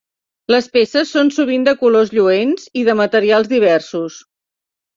Les peces són sovint de colors lluents i de materials diversos.